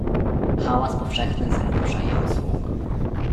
"Hałas powszechny zagłusza jego słowa."